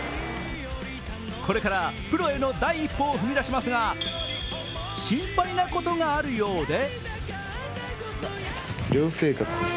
これからプロへの第一歩を踏み出しますが心配なことがあるようで。